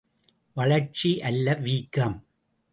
வளர்ச்சி அல்ல வீக்கம்!